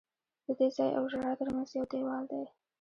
د دې ځای او ژړا ترمنځ یو دیوال دی.